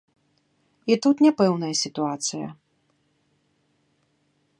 І тут няпэўная сітуацыя.